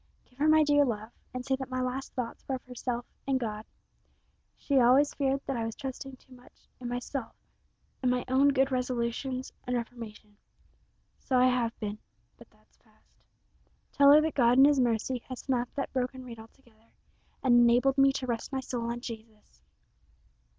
Give her my dear love, and say that my last thoughts were of herself and God. She always feared that I was trusting too much in myself in my own good resolutions and reformation; so I have been but that's past. Tell her that God in His mercy has snapped that broken reed altogether, and enabled me to rest my soul on Jesus."